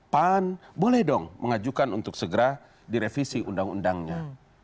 pan boleh dong mengajukan untuk segera direvisi undang undangnya